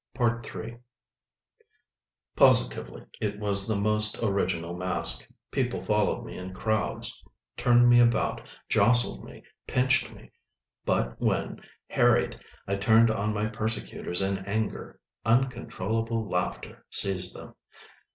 III Positively it was the most original mask. People followed me in crowds, turned me about, jostled me, pinched me. But when, harried, I turned on my persecutors in anger—uncontrollable laughter seized them.